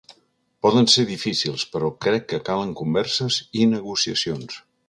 Poden ser difícils, però crec que calen converses i negociacions.